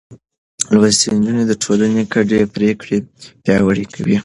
لوستې نجونې د ټولنې ګډې پرېکړې پياوړې کوي.